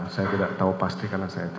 saya tidak tahu pasti karena saya tahu